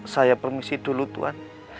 saya permisi dulu tuhan